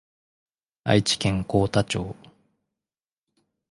愛知県幸田町